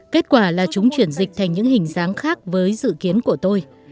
kết quả là chúng chuyển dịch thành những hình dáng khác với dự kiến của tôi